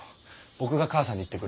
僕が母さんに言ってくる。